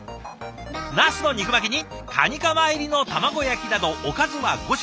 ナスの肉巻きにカニカマ入りの卵焼きなどおかずは５品。